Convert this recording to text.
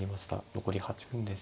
残り８分です。